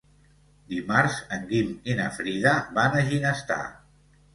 Dimarts en Guim i na Frida van a Ginestar.